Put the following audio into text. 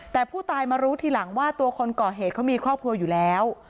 แต่ผู้ตายมารู้ทีหลังว่าตัวคนก่อเหตุเขามีครอบครัวอยู่แล้ว